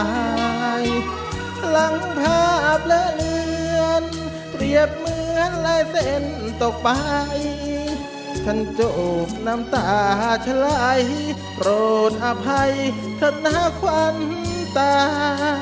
หลังภาพเลือดเลือนเตรียบเหมือนลายเส้นตกไปฉันจกน้ำตาฉลายโปรดอภัยถ้าหน้าควันตา